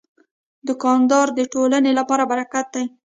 دوکاندار د ټولنې لپاره برکت دی.